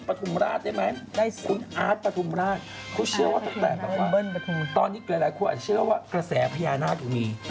เบิ้ลประทุมราชได้ไหมคุณอาร์ตประทุมราชเขาเชื่อว่าตอนนี้เกลียดหลายคนเชื่อว่ากระแสพญานาคต์จะมี